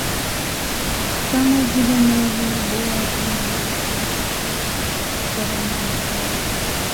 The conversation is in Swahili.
Kama vile Mary Beard anavyosema katika Kicheko huko Roma ya Kale